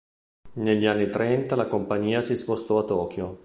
Negli anni trenta la compagnia si spostò a Tokyo.